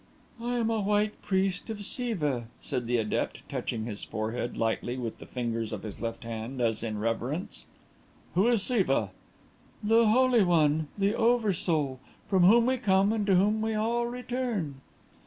"I am a White Priest of Siva," said the adept, touching his forehead lightly with the fingers of his left hand, as in reverence. "Who is Siva?" "The Holy One, the Over soul, from whom we come and to whom we all return."